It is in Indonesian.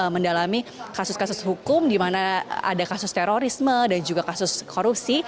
mendalami kasus kasus hukum di mana ada kasus terorisme dan juga kasus korupsi